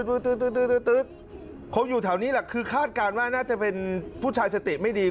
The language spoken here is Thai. เขาอยู่แถวนี้แหละคือคาดการณ์ว่าน่าจะเป็นผู้ชายสติไม่ดี